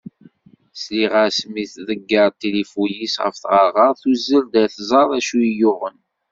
Sliɣ-as mi tḍegger tilifu-s ɣef tɣerɣert tuzzel-d ad tẓer acu yi-yuɣen.